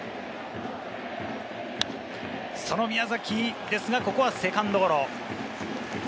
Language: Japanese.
その宮崎ですが、ここはセカンドゴロ。